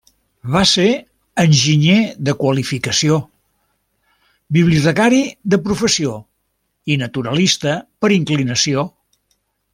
Va ser enginyer de qualificació, bibliotecari de professió i naturalista per inclinació.